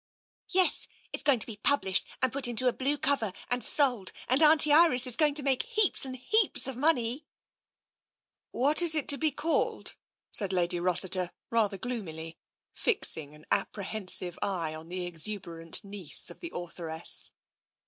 " Yes, and it's going to be published, and put into a blue cover, and sold, and Auntie Iris is going to make heaps and heaps of money! "" What is it to be called? '' said Lady Rossiter rather gloomily, fixing an apprehensive eye on the exuberant niece of the authoress.